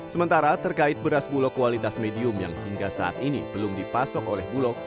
sementara terkait beras bulog kualitas medium yang hingga saat ini belum dipasok oleh bulog